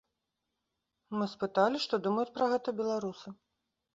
Мы спыталі, што думаюць пра гэта беларусы.